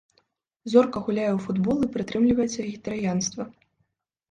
Зорка гуляе ў футбол і прытрымліваецца вегетарыянства.